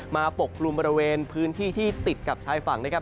ปกกลุ่มบริเวณพื้นที่ที่ติดกับชายฝั่งนะครับ